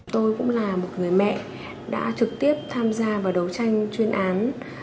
tôi cũng là một người mẹ đã trực tiếp tham gia vào đấu tranh chuyên án